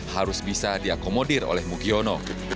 harus bisa diakomodir oleh mugiono